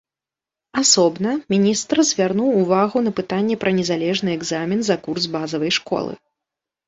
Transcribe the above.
Асобна міністр звярнуў увагу на пытанне пра незалежны экзамен за курс базавай школы.